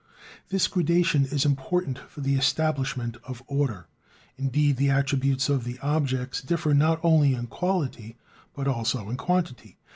This gradation is important for the establishment of order; indeed, the attributes of the objects differ not only in quality, but also in quantity.